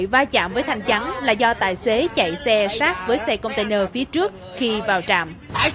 va chạm với thanh chắn là do tài xế chạy xe sát với xe container phía trước khi vào trạm